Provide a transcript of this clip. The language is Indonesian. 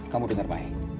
kamu denger mai